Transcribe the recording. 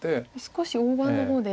少し大盤の方で。